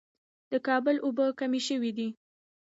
د کابل اوبه کمې شوې دي